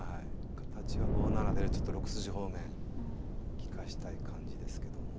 形は５七でちょっと６筋方面利かしたい感じですけども。